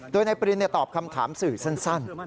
โดยนายปรินตอบคำถามสื่อสั้น